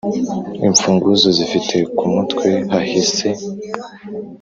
Imfunguzo zifite ku mutwe hahese,